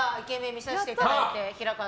見せていただいて。